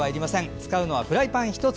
使うのはフライパン１つ。